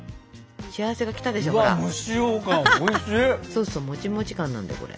そうそうもちもち感なんだよこれ。